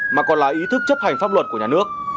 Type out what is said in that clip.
mà còn là ý thức chấp hành pháp luật của nhà nước